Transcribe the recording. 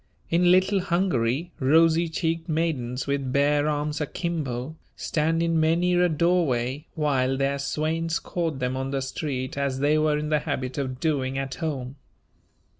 In Little Hungary rosy cheeked maidens with bare arms akimbo, stand in many a doorway while their swains court them on the street as they were in the habit of doing at home.